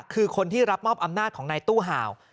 คือคนที่รับมอบอำนาจของนายตู้ห่าว